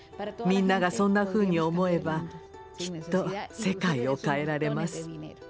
みんながそんなふうに思えばきっと世界を変えられます。